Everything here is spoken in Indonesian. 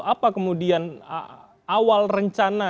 apa kemudian awal rencana